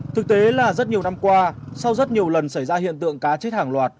thực tế là rất nhiều năm qua sau rất nhiều lần xảy ra hiện tượng cá chết hàng loạt